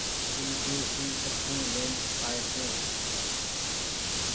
اي ٽيڻسي ڪٺون لين آئي ڇو۔